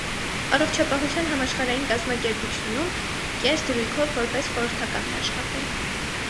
Առողջապահության համաշխարհային կազմակերպությունում կես դրույքով որպես խորհրդական է աշխատել։